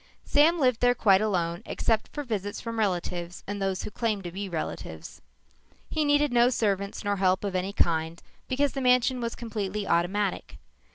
Sam lived there quite alone except for visits from relatives and those who claimed to be relatives. He needed no servants nor help of any kind because the mansion was completely automatic.